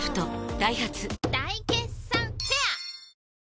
ダイハツ大決算フェア